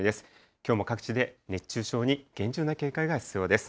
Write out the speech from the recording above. きょうも各地で熱中症に厳重な警戒が必要です。